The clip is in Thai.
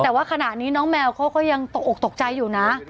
แต่ว่าขณะนี้น้องแมวเขาก็ยังตกอกตกใจอยู่นะ